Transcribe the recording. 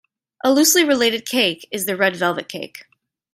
A loosely related cake is the red velvet cake.